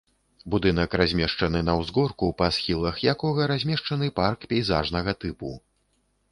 Будынак размешчаны на ўзгорку, па схілах якога размешчаны парк пейзажнага тыпу.